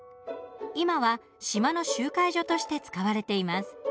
今は島の集会所として使われています。